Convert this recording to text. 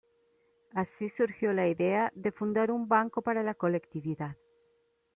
Así surgió la idea de fundar un banco para la colectividad.